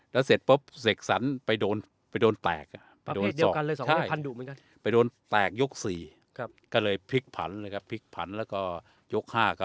แล้วเสร็จปุ๊บเสกสันไปโดนแตก